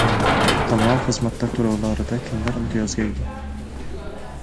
Kommunal xizmatlar to`lovlarida kimlar imtiyozga ega?